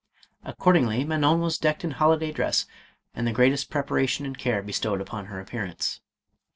Accordingly Manon was decked in holi day dress, and the greatest preparation and care be MADAME KOLAND. 433 stowed upon her appearance.